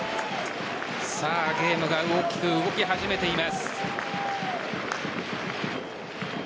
ゲームが大きく動き始めています。